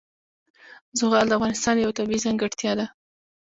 زغال د افغانستان یوه طبیعي ځانګړتیا ده.